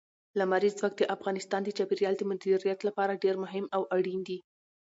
لمریز ځواک د افغانستان د چاپیریال د مدیریت لپاره ډېر مهم او اړین دي.